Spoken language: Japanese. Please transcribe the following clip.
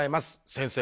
先生